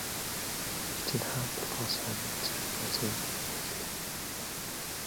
Би чинь хаан болохоосоо өмнө цэрэг байсан хүн шүү.